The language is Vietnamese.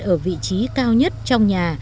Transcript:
ở vị trí cao nhất trong nhà